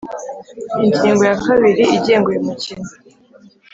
Ingingo ya kabiri igenga uyu mukino